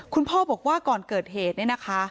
คุณพ่อบอกว่าก่อนเกิดเหตุเนี่ยนะคะ